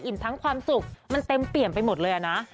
ทั้งความสุขมันเต็มเปี่ยมไปหมดเลยอะนะ